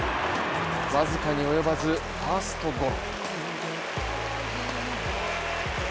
わずかに及ばず、ファーストゴロ。